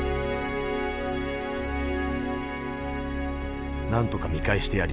なんとか見返してやりたい。